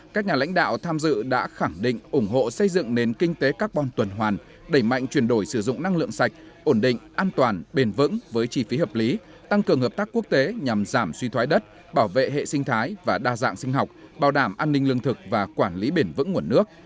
các nhà lãnh đạo tham dự đã khẳng định ủng hộ xây dựng nền kinh tế carbon tuần hoàn đẩy mạnh chuyển đổi sử dụng năng lượng sạch ổn định an toàn bền vững với chi phí hợp lý tăng cường hợp tác quốc tế nhằm giảm suy thoái đất bảo vệ hệ sinh thái và đa dạng sinh học bảo đảm an ninh lương thực và quản lý bền vững nguồn nước